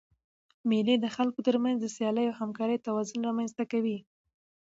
مېلې د خلکو تر منځ د سیالۍ او همکارۍ توازن رامنځ ته کوي.